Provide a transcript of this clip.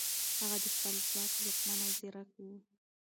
هغه د خپل ځواک ځواکمن او ځیرک و.